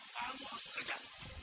kamu harus bekerja